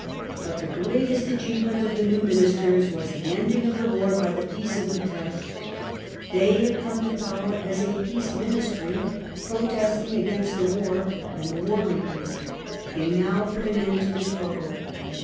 But the greatest achievement of the new ministers was the ending of the war by the Peace of Utrecht. They Treaty of had come to power as a peace ministry, pro utrecht, 1713. testing against the war and the war makers. They now put an end to the struggle.